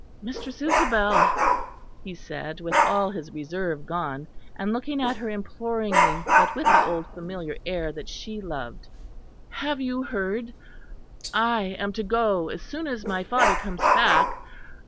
"Mistress Isabel," he said, with all his reserve gone, and looking at her imploringly, but with the old familiar air that she loved, "have you heard? I am to go as soon as my father comes back.